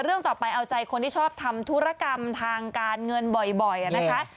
เรื่องต่อไปเอาใจคนที่ชอบทำธุรกรรมทางการเงินบ่อยนะคะ